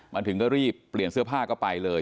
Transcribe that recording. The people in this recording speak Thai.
มันถึงก็รีบเปลี่ยนเสื้อผ้าก็ไปเลย